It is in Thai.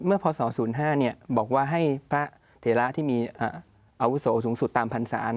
พศ๐๕บอกว่าให้พระเถระที่มีอาวุโสสูงสุดตามพันศา